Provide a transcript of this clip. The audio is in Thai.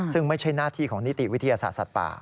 ซึ่งไม่ใช่หน้าที่ของนิติวิทยาศาสตร์สัตว์ป่า